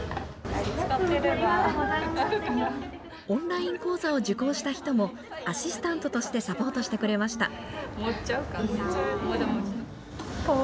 オンライン講座を受講した人も、アシスタントとしてサポートしてくれました。